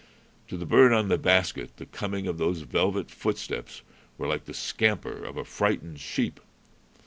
To the bird on the basket the coming of those velvet footsteps were like the scamper of a frightened sheep.